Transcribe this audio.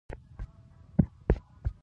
د لیمو پوستکی د څه لپاره وکاروم؟